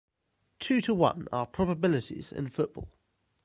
Two to one are probabilities in football.